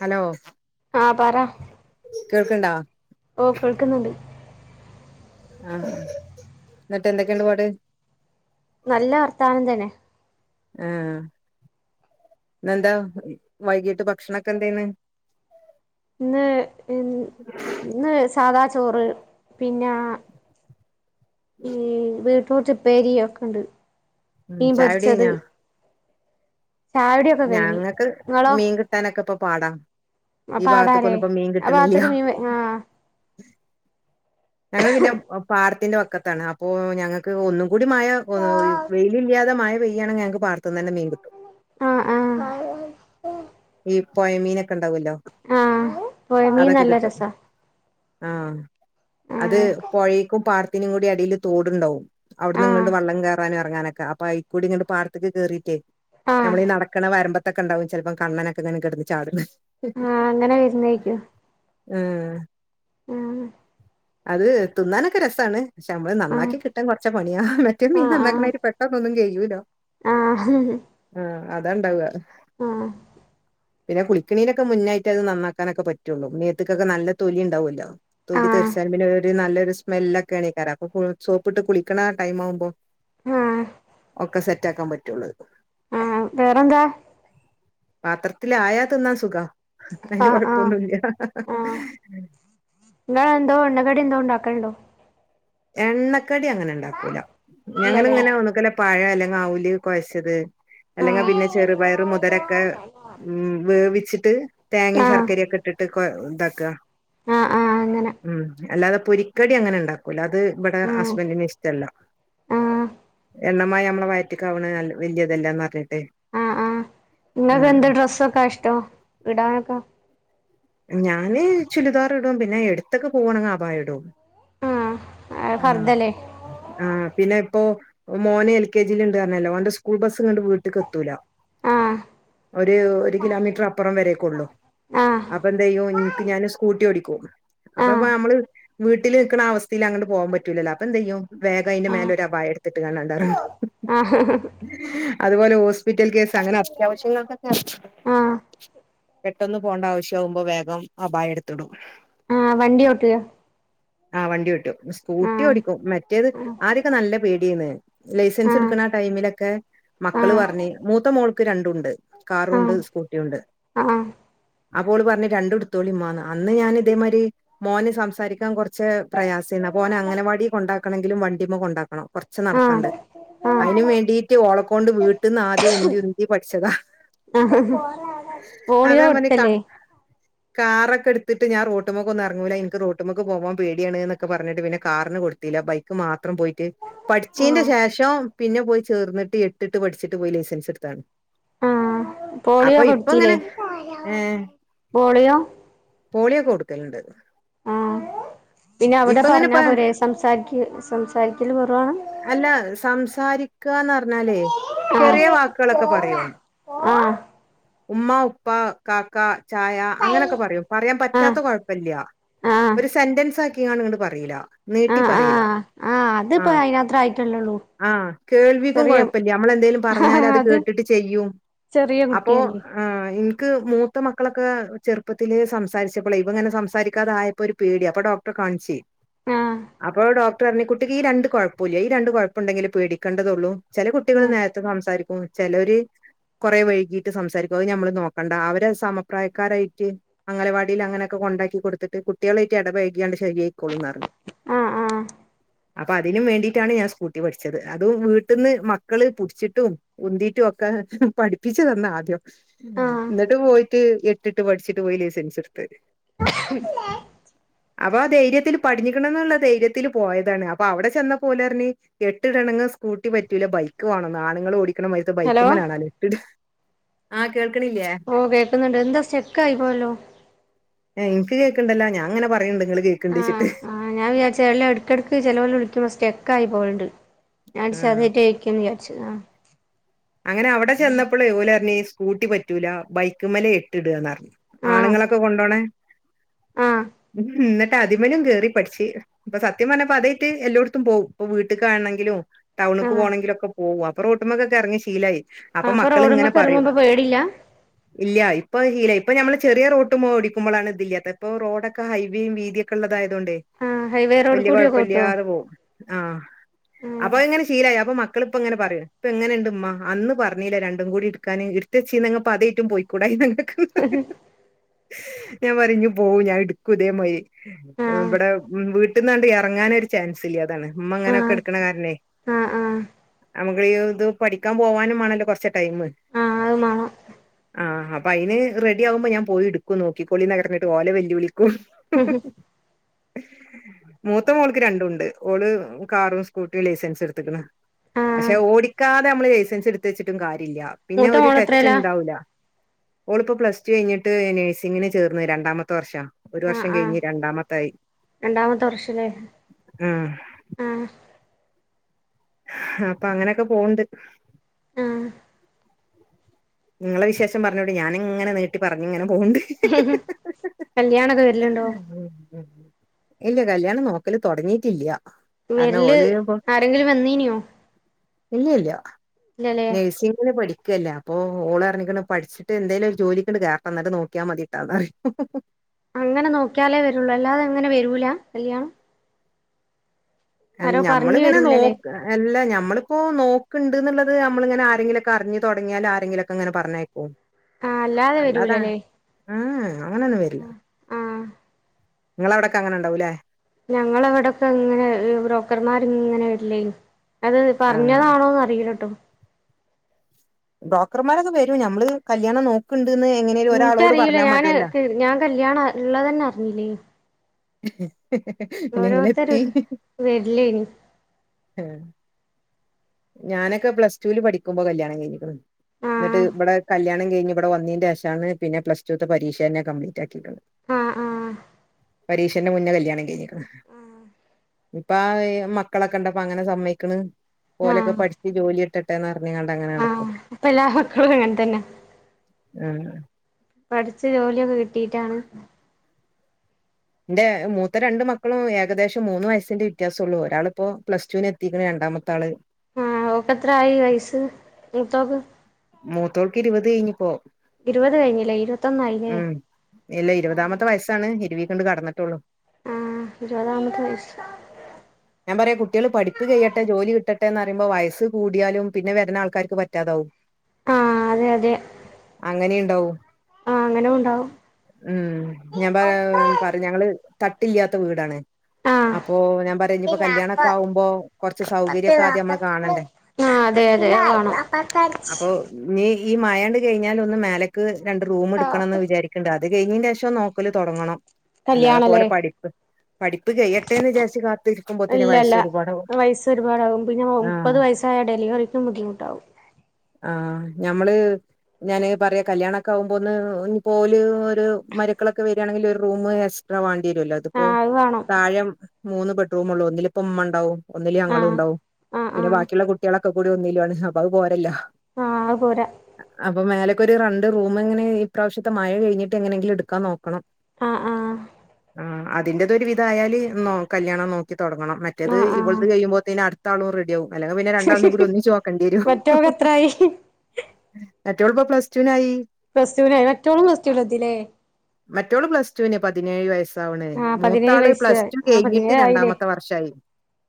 Hello ആഹ് പറ കേൾക്ക്ണ്ടോ ഓഹ് കേൾക്ക്ന്നുണ്ട് ആഹ് ന്നിട്ട് എന്തൊക്കെ ണ്ട് പാട് നല്ല വർത്താനം തന്നെ ആഹ് ഇന്നെന്താ വൈകീട്ട് ഭക്ഷണൊക്കെ എന്തേന്ന് ഇന്ന് ഇന്ന് സാദാ ചോറ് പിന്ന ഈ ബീറ്റ്റൂട്ട് ഉപ്പേരി ഒക്കെണ്ട് ചായുടി കയിഞ്ഞ ചായുടിയൊക്കെ കഴിഞ്ഞു ഞങ്ങക്ക് നിങ്ങളോ മീൻ കിട്ടാനൊക്കെ ഇപ്പൊ പാടാ ആ ഈ പാടാലേ ഭാക്ത്തിക്കൊന്നും ഇപ്പ മീൻ ആ കിട്ടണില്ല്യാ ഭാഗത്തേക്ക് മീൻ ആഹ് ഞങ്ങള് പിന്നെ പാടത്തിന്റെ വക്കത്താണ് പ്പോ ഞങ്ങക്ക് ഒന്നും കൂടി മഴ വെയിലില്ല്യാതെ മഴ പെയ്യാണെ ഞങ്ങക്ക് പാടത്തുന്നന്നെ മീൻ കിട്ടും ആഹ് ആഹ് ഈ പൊയമീനൊക്കെ ഇണ്ടാവല്ലോ ആഹ് പൊയ മീൻ അതൊക്കെ നല്ല കിട്ടും രസാ ആഹ് അത് ആഹ് പൊയേക്കും പാടത്തീനും കൂടി അടിയില് തോടുണ്ടാവും അവിടുന്ന് ഇങ്ങണ്ട് ആഹ് വള്ളം കേറാനും ഇറങ്ങാനൊക്കെ അപ്പൊ അയിക്കൂടി ഇങ്ങണ്ട് പാടത്തേക്ക് കേറീട്ടേ ആഹ് നമ്മളീ നടക്കണ വരമ്പത്തൊക്കെ ഇണ്ടാവും ചിലപ്പം കണ്ണനൊക്കെ ഇങ്ങനെ കിടന്ന് ചാട്ന്നെ ആഹ് അങ്ങനെ വരുന്നേക്കും ആഹ് ആഹ് അത് തിന്നാനൊക്കെ രസാണ് പക്ഷെ നമ്മള് ആഹ് നന്നാക്കി കിട്ടാൻ കുറച്ച് പണിയാ മറ്റേ മീൻ ആഹ് നന്നാക്കണാരി പ ഇപ്പൊന്നും കെയ്യൂല ആഹ് ഹ് ആഹ് അതാ ഇണ്ടാവ [unintelligible] പിന്നെ കുളിക്കണീനൊക്കെ മുന്നായിട്ടത് നന്നാക്കാനൊക്കെ പറ്റുള്ളൂ മേത്ത്ക്കൊക്കെ നല്ല തൊലി ഇണ്ടാവുല്ലോ തൊലി ആഹ് തെറിച്ചാലും പിന്നെ ഒരു നല്ലൊരു സ്മെല്ലേക്കേണ്കാരം അപ്പൊ സോപ്പിട്ട് കുളിക്കണ ടൈം ആവുമ്പോ ആഹ് ഒക്കെ സെറ്റാക്കാൻ പറ്റൊള്ളത് ആഹ് വേറെന്താ പാത്രത്തിലായ തിന്നാ സുഖം അതിന് ആഹ് ആഹ് കൊഴപ്പൊന്നുല്ല നിങ്ങ എന്തോ എണ്ണകടി എന്തോ ഉണ്ടാക്കണ് ണ്ടോ എണ്ണക്കടി അങ്ങനെ ഉണ്ടാക്കൂല ഇല്ലല്ലേ ഞങ്ങളിങ്ങനെ ഒന്നെങ്കി പഴം അല്ലെങ്കി അവുല് കൊയച്ചത് അല്ലെങ്കി ആഹ് പിന്നെ ചെറുപയറ് മുതരക്ക ഉം വേവിച്ചിട്ട് തേങ്ങയും ആഹ് ശർക്കരൊക്കെ ഇട്ടിട്ട് കൊ ഇതാക്ക ആഹ് അങ്ങനെ ഉം അല്ലാതെ പൊരിക്കടി അങ്ങനെ ഇണ്ടാക്കൂല്ല അത് ഇവിടെ ഉം ഹസ്ബന്റിന് ഇഷ്ടല്ല ആഹ് എണ്ണമയം നമ്മളെ വയറ്റിക്കാവണ് വല്യ ഇതെല്ലാന്ന്റിഞ്ഞിട്ട് ആ ഇങ്ങക്ക് എന്ത് കസവ [unintelligible] കഷ്ടം ഇടാനൊക്ക ഞാാന് ചുരിദാർ ഇടും പിന്നെ എടുത്തൊക്കെ പോവാണെങ്കിൽ അബായ ഇടും ആഹ് അത് ആഹ ഫർദല്ലേ ആഹ പിന്നെ ഇപ്പോ മോന് എൽ കെ ജിൽ ഉണ്ട്ന്നറഞ്ഞല്ലോ ഓന്റെ സ്കൂൾ ബസ്സ് ഇങ്ങണ്ട് വീട്ട്ക്ക് എത്തൂല. ആഹ് ഒരു ഒരു കിലോമീറ്റർ അപ്പുറം വരേക്കൊള്ളൂ ആഹ് അപ്പ എന്തെയ്യും ഇനിക്ക് ഞാന് സ്കൂട്ടി ഓടിക്കും അപ്പൊ ആഹ് അപ്പ നമ്മള് വീട്ടിൽ നിൽക്കുന്ന അവസ്ഥയിൽ അങ്ങട്ട് പോവാൻ പറ്റൂലല്ലോ അപ്പൊ എന്തെയ്യും വേഗം അയിന്റെ മേലെ ഒരു അബായ ഇടുത്തിട്ട്കാണ്ട് അണ്ടെറങ്ങും ആഹ് ആഹ് ഹ അതുപോലെ ഹോസ്പിറ്റൽ കേസ് അങ്ങനെ അത്യാവശ്യങ്ങൾക്കൊക്കെ ആഹ് പെട്ടന്ന് പോകണ്ട ആവശ്യവുമ്പോ വേഗം അബായ എടുത്തിടും ആഹ വണ്ടി ഓട്ടോ ആഹ വണ്ടി ഓട്ടും സ്കൂട്ടി ആഹ് ഓടിക്കും മറ്റേത് ആഹ് ആദ്യൊക്കെ നല്ല പേഡ്യേയ്ന്ന് ലൈസൻസ് എടുക്ക്‌ണ ആ ടൈമിലൊക്കെ മക്കള് ആഹ് പറഞ്ഞ് മൂത്ത മോൾക്ക് രണ്ടുംണ്ട് കാറുംണ്ട് ആഹ് സ്കൂട്ടിം ഉണ്ട് ആഹ് അപ്പോള് പറഞ്ഞ് രണ്ടുടുത്തോളി ഉമ്മാന്ന് അന്ന് ഞാൻ ഇതേമാതിരി മോന് സംസാരിക്കാൻ കുറച്ച് പ്രയാസേന്ന് അപ്പൊ ഓനെ ആഹ് അംഗനവാടി കൊണ്ടാക്കണെങ്കിലും വണ്ടിന്മേ കൊണ്ടാക്കണം കൊറച്ച് ആഹ് നടക്കണ്ട് അയിനും ആഹ് വേണ്ടി ഓളക്കൊണ്ട് വീട്ട്ന്ന് ആദ്യം ഉന്തി ഉന്തി പഠിച്ചതാ ആഹ് പോളിയോ അതാ ഞാൻ പറഞ്ഞ് കൊടുത്തല്ലേ കാറൊക്കെ ഇടുത്തിട്ട് ഞാൻ റോട്ടുമക്ക്‌ ഒന്നും ഇറങ്ങൂല്ല ഇനിക്ക് റോട്ടുമക്ക് പോവാൻ പേടിയാണ് എന്നൊക്ക പറഞ്ഞിട്ട് പിന്നെ കാറിന് കൊടുത്തീല, ബൈക്ക് മാത്രം പോയിട്ട് പഠിച്ചീന്റെ ശേഷം പിന്നെ പോയി ചേർന്നിട്ട് എട്ടിട്ട് പഠിച്ചിട്ട് പോയി ലൈസൻസ് എടുത്തതാണ് ആഹ് പോളിയോ അപ്പൊ ഇപ്പൊ കൊടുത്തില്ലേ ഇങ്ങനെ ഏ പോളിയോ പോളിയോ ഒക്കെ കൊടുക്കലുണ്ട് ആഹ ഇനി അവിടെ ഇപ്പ ഇങ്ങനെ പറഞ്ഞാ ഇപ്പ പോരേ സംസാരിരിക്ക സംസാരിക്കല് കുറവവാണ് അല്ല സംസാരി ക്കാന്ന് പറഞ്ഞാലേ ചെറിയ ആഹ് വാക്കുകളൊക്കെ പറയും ആഹ് ഉമ്മ ഉപ്പ കാക്ക ചായ അങ്ങനെയൊക്കെ പറയും പറയാൻ ആഹ് പറ്റാത്ത കൊഴപ്പല്ല ആഹ് ഒര് സെന്റൻസാക്കിക്കാണ്ട് ഇങ്ങട്ട് പറീല നീട്ടി ആഹ് പറീല ആഹ് ത്തെല്ലോള്ളൂ ആഹ് കേൾവിക്കും കുഴപ്പല്ല്യ നമ്മളെന്തേലും പറഞ്ഞാലത് അത് കേട്ട്ട്ട് ചെയ്യും ചെറിയ അപ്പോ കുട്ടിയല്ലേ ആഹ് ഇൻക്ക് മൂത്ത മക്കളൊക്കെ ചെറ്പ്പത്തിലേ സംസാരിച്ചപ്പളെ ഇവനിങ്ങനെ സംസാരിക്കാതായ ഇപ്പൊര് പേടി അപ്പൊ ഡോക്ടറേ കാണിച്ച് ആഹ് അപ്പോ ഡോക്ടറ് പറഞ്ഞ് കുട്ടിക്ക് ഈ രണ്ട് കുഴപ്പല്ല്യ ഈ രണ്ട് കൊഴപ്പണ്ടെങ്കി പേടിക്കേണ്ടതൊള്ളൂ ചെല കുട്ടികൾ ആഹ് നേരത്തെ സംസാരിക്കും ചെലൊര് കുറെ വൈകീട്ട് സംസാരിക്കും അത് ഞമ്മള് നോക്കണ്ട അവരെ സമപ്രായക്കാരായിട്ട് അംഗനവാടില് അങ്ങനൊക്കെ കൊണ്ടാക്കി കൊട്ത്തിട്ട് കുട്ട്യേളായിട്ട് എടപഴക്യാണ്ട് ശരിയായിക്കൊള്ളുന്നറഞ്ഞ് ആഹ് ആഹ് അപ്പതിന് വേണ്ടി ട്ടാണ് ഞാൻ സ്കൂട്ടി പഠിച്ചത് അതും വീട്ട്ന്ന് മക്കള് പുടിച്ചിട്ടും ഉന്തീട്ടും ഒക്കെ പഠിപ്പിച്ച് തന്നാദ്യം ആഹ് ഇന്നട്ട് പോയിട്ട് എട്ടിട്ട് പഠിച്ചിട്ട് പോയി ലൈസൻസ്ട്ത്ത് ആഹ് അപ്പൊ ആ ധൈര്യത്തിൽ പഠിഞ്ഞ്ക്ക്ണ്ന്ന്ള്ള ധൈര്യത്തില് പോയതാണ് അപ്പൊ അവിടെ ചെന്ന പ്പൊ ഓലെറ്ഞ്ഞ് എട്ടിടണെങ്ങ് സ്കൂട്ടി പറ്റൂല ബൈക്ക് വാണം ആണ്ങ്ങള് ഓടി ക്ക്ണ മതിരിത്തെ ഹലോ ബൈക്ക്മ്മലാണോലോ എട്ട്ടാ ആഹ് കേൾക്ക്ണില്ലേ ഓഹ് കേക്ക്ന്ന്ണ്ട് എന്താ സ്റ്റെക്കായി പോയല്ലോ ഏഹ് ഇൻക്ക് കേക്ക്ണ്ടല്ലോ ഞാന്ങ്ങനെ പറയ്ണ്ട് ഇങ്ങള് ആഹ് കേക്ക്ണ്ടേച്ചിട്ട് ആഹ് ഞാൻ വിചാരിച്ച് എല്ലാ എടക്ക്കെടക്ക് ചെലോല് വിളിക്കുമ്പോ സ്റ്റെക്കായി പോവല്ണ്ട് ഞാൻ ആ അടിച്ചാഞ്ഞിട്ടേക്കും വിചാരിച്ചു ആഹ് അങ്ങനെ അവ്ടെ ചെന്നപ്പളെ ഓല്റ്ഞ്ഞ് സ്കൂട്ടി പറ്റൂല ബൈക്ക്മ്മല് എട്ട്ടാന്ന്റ്ഞ്ഞ് ആഹ് ആണ്ങ്ങളൊക്കെ കൊണ്ടോണേ ആഹ് ഉം ഇന്നെട്ട് അതിമ്മലും കേറി പഠിച്ച് ഇപ്പൊ സത്യം പറഞ്ഞാ അതായിട്ട് എല്ലോട്ത്തും പോവും ഇപ്പൊ വീട്ട്ക്കാണെങ്കിലും ടൗണ്ക്ക് ആഹ് പോണങ്കിലൊക്കെ പോവും അപ്പൊ റോട്ട്മ്മക്കൊക്കെ എറങ്ങി ശീലായി അപ്പം ആഹ് അപ്പൊ മക്കള് ഇങ്ങനെ റോഡുമ്മക്ക് പറയും ഇറങ്ങുമ്പോ പേടില്ല ഇല്ല്യ ഇപ്പ ഇല്ല ഇപ്പ ഞമ്മള് ചെറിയ റോട്ട്മ്മെ ഓടിക്കുമ്പളാണ് ഇതില്ലാത്തെ ഇപ്പൊ റോഡൊക്കെ ഹൈവേം വീതി ക്കെള്ളതായൊണ്ടേ ആഹ് ഹൈവേ റോഡ് വല്യ കൂടിയൊക്കെ ഓട്ടോ കൊഴപ്പല്ല്യാതെ പോവും ആഹ് ആഹ് അപ്പത് ഇങ്ങനെ ശീലായി അപ്പൊ മക്കളിപ്പങ്ങനെ പറിം ഇപ്പൊ എങ്ങനെണ്ട്മ്മാ അന്ന് പറഞ്ഞിലേ രണ്ടുകൂടിട്ക്കാന് ഇട്ത്തെച്ചീന്നെങ്ങ്പ്പോ അതേറ്റും പോയിക്കൂടായിനൊ നിങ്ങക്ക് ഉ ഞാൻ പറിം ഇഞ്ഞ് പോവും ഞാൻ ഇട്ക്കും ഇതേമാതിരി ആഹ് ഇബടെ വീട് ട്ട്ന്നാണ്ട് എറങ്ങാനൊരു ചാൻസ് ഇല്ല അതാണ് ഇമ്മ ഇങ്ങനെ ആഹ് കേട്ക്ക്ണ കാരണേ ആഹ് ആഹ് നമ് [unintelligible] ഇത് പഠിക്കാൻ പോവാനും മാണല്ലോ കൊറച്ചോര് ടൈമ് ആഹ് അത് മാണം ആഹ് അപ്പയിന് റെഡിയാവുമ്പോ ഞാൻ പോയിട്ക്കും നോക്കിക്കൊളിന്നറ്ഞ്ഞിട്ട് ഓലെ വെല്ലുവിളിക്കും മൂത്ത മൊള്ക്ക് രണ്ടുണ്ട് ഓള് കാറും സ്കൂട്ടിയും ലൈസൻസ്ട്ത്ത്ക്ക്ണ് ആഹ് പക്ഷെ ഓടിക്കാതെ നമ്മള് ലൈസൻസ് ഇട്ത്തെച്ചിട്ടും കാര്യല്ല പിന്നെ മൂത്ത ഒരു മോള് എത്രേലാ ടച്ച്ണ്ടാവൂല ഓള്പ്പോ പ്ലസ് ടു കഴിഞ്ഞിട്ട് നേഴ്സിങ്ങിന് ചേർന്ന് രണ്ടാമത്തെ വർഷാ ഒരു ആഹ് വർഷം ആഹ് കഴിഞ്ഞ് രണ്ടാമത്തായി രണ്ടാമത്തെ വർഷല്ലേ ഉം ആഹ് ആഹ് അപ്പ അങ്ങനെയൊക്കെ പോവ്ണ്ട് ആഹ് ഇങ്ങളെ വിശേഷം പറഞ്ഞോളി ഞാനിങ്ങനെ നീട്ടി പറഞ്ഞ് ഇങ്ങനെ പോവ്ണ്ട് കല്ല്യാണൊക്കെ ഇല്ല കല്യാണം നോക്കല് തൊടങ്ങിട്ടില്ല കാരണം വെരല് ഓലേലിപ്പം ആരെങ്കിലും വന്നീനിയോ ഇല്ലല്ല്യ ഇല്ലല്ലേ നെഴ്സിങ്ങിന് പഠിക്കല്ല ഇപ്പ ഓൾ പർണ്ക്ക്ണ് പഠിച്ചിട്ട് എന്തെലും ഒര് ജോലിക്ക് ഇങ്ങെട്ട് കേറട്ടെ ഇന്നെട്ട് നോക്കിയാ മതിട്ടാന്ന് പറിം അങ്ങനെ നോക്കിയാലെ വെരു ഒള്ളു അല്ലാതെ അങ്ങനെ വെരൂലാ കല്യാണം അല്ല ആരോ ഞമ്മെൾ പറഞ്ഞു ഇങ്ങനെ വരൂലല്ലേ നോക്കാ അല്ല ഞമ്മളിപ്പോ നോക്ക്ണ്ട്ന്ന് ഇള്ളെത് നമ്മെൾ ഇങ്ങനെ ആരെങ്കിലും ഒക്കെ അറിഞ്ഞ് തൊടങ്ങിയാൽ ആരെങ്കിലൊക്കെ ഇങ്ങനെ പർണെയ്ക്കും ആഹ് അല്ലാതെ അങ്ങനെ വരൂലല്ലേ ഏഹ് എഹ് അങ്ങനെ ഒന്നും വെര്‌ലാ ആഹ് ഇങ്ങളെ അയുടെക്കെ അങ്ങനെ ഇണ്ടാവും ലെ ഞങ്ങള ഇവടൊക്കെ ഇങ്ങനെ ബ്രോക്കെർന്മാര് ഇങ്ങനെ വെര്ലെയിനി അതായെത് ആ പർഞ്ഞതാണോന്ന് അറീല്ലട്ടോ ബ്രോക്കെർമാരൊക്കെ വെരും നമ്മെൾ കല്യാണം നോക്ക്ണ്ട്ന്ന് എങ്ങനെലും ഒരാളോട് ഇൻക്കറിയൂല പറഞ്ഞാ ഞാന് മതിയെല്ലോ ഞാൻ കല്യാണം ഇള്ളതെന്നെ അർഞ്ഞില്ലെയ്നി പിന്നെ എങ്ങനെ ഓരോരുത്തര് എത്തി വരില്ലേനി ഏഹ് ഞാനൊക്കെ പ്ലസ് ടൂൽ പഠിക്കുമ്പോ കല്യാണം കെഴ്ഞ്ഞ്ക്ക്ണ് ഇന്നെട്ട് ആഹ് ഇബെടെ കല്യാണം കെഴ്ഞ്ഞു ഇബെടെ വന്നീന്റെഷാണ് പിന്നെ പ്ലസ് ടുത്തെ പരീക്ഷയെന്നെ കംപ്ലീറ്റ് ആക്കിട്ട് ഇള്ളെത് ആഹ് ആഹ് പരീ ക്ഷന്റെ മുന്നെ കല്യാണം കെഴ്ഞ്ഞ്ക്ക്ണ് ഇപ്പ ആഹ് ഏഹ് മക്കളൊക്കെ ഇണ്ടപ്പ അങ്ങനെ സമ്മെയ്ക്ക്ണ് ഇപ്പ ഓലൊക്കെ ആഹ് പഠിച്ച് ജോലി കിട്ടട്ടെന്ന് പർണ് കാണ്ട് അങ്ങനെ ആഹ് നടക്കും ഇപ്പ എല്ലാ മക്കെളും അങ്ങെൻ തെന്നെ ആഹ് പഠിച്ച് ജോലിയൊക്കെ കിട്ടിട്ടാണ് ഇന്റെ മൂത്ത രണ്ട് മക്കളും ഏകദേശം മൂന്ന് വയസിന്റെ വിത്യാസൊള്ളു. ഒരാൾ ഇപ്പൊ പ്ലസ് ടുന് എത്തിക്ക്ണ് രണ്ടാമത്തെ ആൾ ആഹ് ഓക്ക് എത്ര ആയി വയസ്സ്? മൂത്തോക്ക്? മൂത്തോൾക്ക് ഇര്‌വെത് കെഴ്ഞ്ഞ് ഇപ്പോ ഇര്‌വെത് കഴിഞ്ഞ് ലെ ഇര്‌വെ ഉം ഇല്ല ഇര്‌വതാമത്തെ വയസ്സാണ് ഇര്‌വീക്ക് ഇണ്ട് കട്ന്ന്ട്ടൊള്ളു ആഹ് ഇര്‌വതാമത്തെ വയസ്സ് ഞാൻ പറയാ കുട്ടിയാൾ പഠിപ്പ് കയ്യട്ടെ ജോലി കിട്ടട്ടേന്ന് പറിയിമ്പം വയസ്സ് കൂടിയാലും പിന്നെ വെര്ന ആൾക്കാർക്ക് പറ്റാതാവും ആഹ് അതെ അതെ അങ്ങനിം ഇണ്ടാവും ആഹ് അങ്ങനെ ഉണ്ടാവും ഉം ഞാൻ പറ ആഹ് പറിം ഞങ്ങെൾ തട്ട് ഇല്ലാത്ത വീടാണ് അപ്പോ ഞാൻ പറിയാ ഇഞ്ഞ് ആഹ് അതെ ആദ്യം അതെ നമ്മള് കാണണ്ടേ അഹ് വാണം [inaudible] ഇഞ്ഞി ഈ മഴാണ്ട് കഴിഞ്ഞാൽ ഒന്ന് മേലെക്ക് രണ്ട് റൂമ് ഇട്ക്കെണംന്ന് വിചാരി ക്ക്ണ്ട് അത് കഴിഞ്ഞിന്റെഷം നോക്കെല് തൊടങ്ങണം അല്ലാതെ ഇപ്പ കല്യാണല്ലേ ഓലെ പഠിപ്പ് പഠിപ്പ് കയ്യട്ടേന്ന് വിചാരിച്ച് കാത്ത് ഇല്ല ഇല്ല വയസ്സ് ഒര് പാടാകും. പിന്നെ ആഹ് മുപ്പെത് വയസ്സായ ഡെലിവെറിക്കും ബുദ്ധിമുട്ടാവും ആഹ് ഞമ്മെൾ ഞാന് പറിയാ കല്യാണ ഒക്കെ ആവുമ്പോ ഒന്ന് ഇഞ്ഞ് ഇപ്പ ഓല് ഒര് മരൊക്കളൊക്കെ വെരാണെങ്കി ഒര് റൂമ് എക്സ്ട്രാ വാണ്ടി വെരോല്ലോ ഇത് ഇപ്പോ ആഹ് അത് വേണം താഴെ മൂന്ന് ബെഡ്റൂമൊള്ളു. ഒന്നിൽ ഇപ്പ ഇമ്മണ്ടാവും ഒന്നിൽ ഞങ്ങളും ആഹ് ഇണ്ടാവും. ആഹ് പിന്നെ ആഹ് ബാക്കിള്ള കുട്ടിയാളൊക്കെ കൂടി ഒന്നിലും ആണ്. അപ്പ അഹ് പോരല്ലോ ആഹ് അഹ് പോരാ അപ്പ മേലെക്കൊര് റണ്ട് റൂമ് എങ്ങനെ ഇപ്രാവശ്യത്തെ മഴ ക കെഴ്ഞ്ഞിട്ട് എങ്ങനെയെങ്കിലും ഇട്ക്കാൻ നോക്കണം ആഹ് ആഹ് ആഹ് അതിന്റെത് ഒര് വിധായാൽ നോ കല്യാണം നോക്കി തൊട്ങ്ങണം മറ്റേത് ആഹ് ഇവെൾത് ആഹ് കഴിയുമ്പോത്തിന് അട് ത്താളും റെഡിയാവും അല്ലെങ്കി പിന്നെ രണ്ടാൾതും കൂടി ഒര്മിച്ച് നോക്കെണ്ടിയെരും മറ്റോക്ക് എത്രായി മറ്റോൾ ഇപ്പം പ്ലസ് ടുനായി പ്ലസ് ടുനായി മറ്റോളും പ്ലസ് ടുൽ എത്തിലെ മറ്റോള് പ്ലസ് ടുന് പതിനേഴ് വയസ്സാവ്ണ് ആഹ് പതിനേഴ് മൂത്താൾ വയസ്സ് പ്ലസ് ടു ആഹ് കെഴിഞ്ഞിട്ട് പതിനേഴായില്ലേ രണ്ടാമത്തെ വർഷായി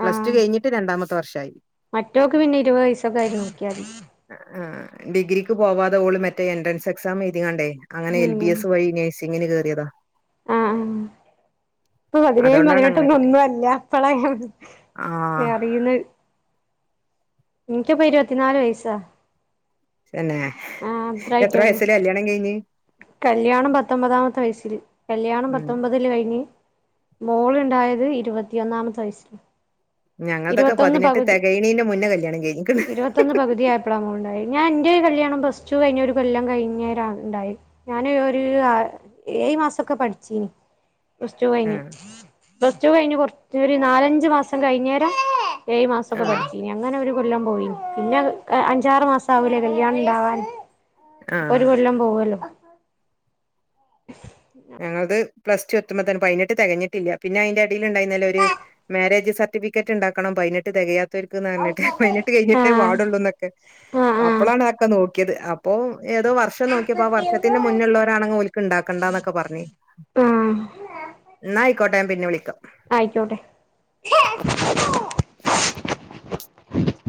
പ്ലസ് ടു ആഹ് കെഴ്ഞ്ഞിട്ട് രണ്ടാമത്തെ വർഷായി മറ്റോക്ക് പിന്നെ ഇര്‌വെയ് വെയ്സ്റ്റൊക്കെ ആയിട്ട് നോക്കിയാ മതി അഹ് ആഹ് ഡിഗ്രിക്ക് പോവാതെ ഓൾ മറ്റേ എൻട്രൻസ് എക്സാം എഴുതി കാണ്ടെയ് അങ്ങനെ എൽ ബി ഉം എസ് വഴി നെസ് സിംഗിന് കേറിയെതാ ആഹ് ആഹ് ഇപ്പൊ പതിനേഴും അതുകൊണ്ടാണ് അങ്ങനെ പതിനെട്ടൊന്നും കിട്ടി ഒന്നും അല്ല ഇപ്പളങ്ങൾത് ആഹ് അറിയുന്നത് എനിക്കിപ്പൊ ഇരുവത്തിനാല് വയസ്സാ തന്നെ ആഹ് എത്ര അത്രായിട്ടേ ഉള്ളൂ വയസ്സില കല്യാണം കയിഞ്ഞ് കല്യാണം പത്തൊമ്പതാമത്തെ വയസ്സില് കല്യാണം ഉം പത്തൊമ്പത് തില് കഴിഞ്ഞ് മോള്ണ്ടായത് ഇരുപത്തിയൊന്നാമത്തെ വയസ്സില് ഞങ്ങൾതൊക്കെ ഇരുപത്തൊന്ന് പതിനെട്ട് പകുതി തെകയ്ണീന്റെ മുന്നെ കല്യാണം കഴിഞ്ഞ്ക്ക്ണ് അപ്പളാ മോള്ണ്ടായി ഞാൻന്റെ കല്യാണം പ്ലസ് ടു കഴിഞ്ഞ് ഒരു കൊല്ലം കഴിഞ്ഞേരാണ് ഇണ്ടായെ ഞാന് ഒരു ആഹ് ഏഴ് മാസൊക്കെ പഠിച്ചീന് പ്ലസ് ടു കഴിഞ്ഞ് ആഹ് പ്ലസ് ടു കഴിഞ്ഞ് കുറച്ച് ഒരു നാലഞ്ചു മാസം കഴിഞ്ഞേരം ഏഴ്‌ മാസൊക്കെ ആഹ് പഠിച്ചീ അങ്ങനെ ഒരു കൊല്ലം പോയിനി പിന്നെ അഞ്ചാറ് മാസം ആവൂലേ കല്യാണം ഇണ്ടാവാൻ അപ്പൊ ഒരു ആഹ് കൊല്ലം പോവോല്ലോ ഞങ്ങൾത് പ്ലസ് ടു എത്തുമ്പൊ തന്നെ പയിനെട്ട് തെകഞ്ഞിട്ടില്ല. പിന്നെ അയിന്റെ എടീല്ണ്ടായിന്നല്ലോ ഒര് മാരേജ് സർട്ടിഫിക്കറ്റ് ഇണ്ടാക്കണം പയിനെട്ട് തെകയാത്തോർക്ക്ന്ന് പറഞ്ഞിട്ട് പയിനെട്ട് കയിഞ്ഞിട്ടെ ആഹ് ആഹ് പാടുള്ളൂ ന്നൊക്കെ അപ്പളാണ് അതൊക്കെ നോക്കിയത് അപ്പോ ഏതോ വർഷം നോക്കിയപ്പോ ആഹ് ആ വർഷത്തിന്റെ മുന്നെള്ളോരാണെങ്ങി ഓല് ൽക്ക് ഇണ്ടാക്കണ്ടന്നൊക്കെ പറഞ്ഞ് ആഹ് ഇന്നാ ആയിക്കോട്ടെ ഞാൻ പിന്നെ വിളിക്കാം ആയിക്കോട്ടെ [inaudible]